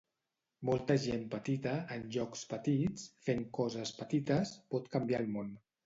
Molta gent petita, en llocs petits, fent coses petites, pot canviar el món.